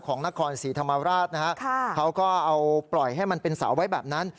ของนครศรีธรรมราชนะฮะเขาก็เอาปล่อยให้มันเป็นเสาไว้แบบนั้น